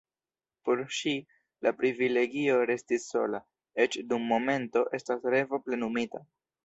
Por ŝi, la privilegio resti sola, eĉ dum momento, estas revo plenumita.